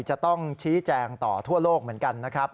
จะต้องชี้แจงต่อทั่วโลกเหมือนกันนะครับ